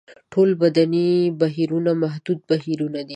ټول بدني بهیرونه محدود بهیرونه دي.